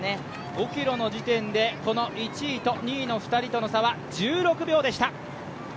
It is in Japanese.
５ｋｍの時点で１位と２位の２人との差は１６秒でした。